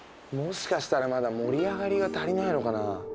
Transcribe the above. もしかしたらまだ盛り上がりが足りないのかなぁ。